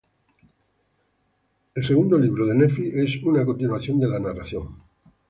El "Segundo Libro de Nefi" es una continuación de la narración.